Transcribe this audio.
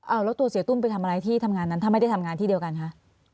เอาแล้วตัวเสียตุ้มไปทำอะไรที่ทำงานนั้นถ้าไม่ได้ทำงานที่เดียวกันคะ